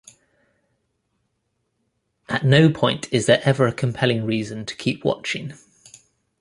At no point is there ever a compelling reason to keep watching.